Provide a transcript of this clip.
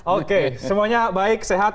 ok semuanya baik sehat